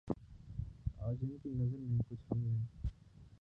آج ان کی نظر میں کچھ ہم نے